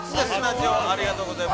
◆ありがとうございます。